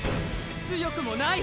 強くもない！